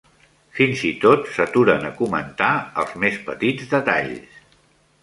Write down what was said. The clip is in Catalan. Fins i tot s'aturen a comentar els més petits detalls.